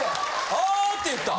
「あっ！」って言った。